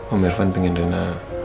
om irfan pengen riana